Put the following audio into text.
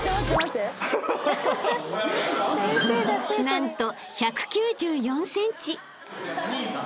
［何と１９４ｃｍ］